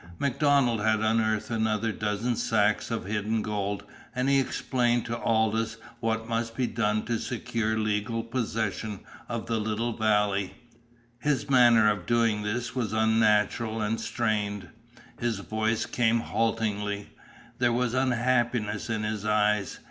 MacDonald had unearthed another dozen sacks of the hidden gold, and he explained to Aldous what must be done to secure legal possession of the little valley. His manner of doing this was unnatural and strained. His words came haltingly. There was unhappiness in his eyes.